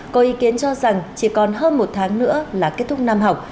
có ý kiến cho rằng chỉ còn hơn một tháng nữa là kết thúc năm học